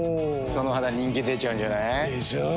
その肌人気出ちゃうんじゃない？でしょう。